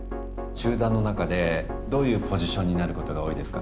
集団の中でどういうポジションになることが多いですか？